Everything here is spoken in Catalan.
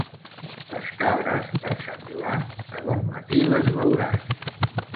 Les cabres, per Sant Joan, de bon matí les veuràs.